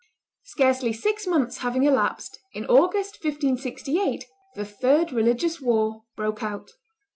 Scarcely six months having elapsed, in August, 1568, the third religious war broke out.